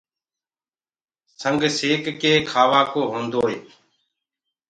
سنگ سيڪ ڪي کآوآڪو هوندوئي